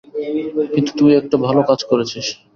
কিন্তু তুই একটা ভালো কাজ করেছিস।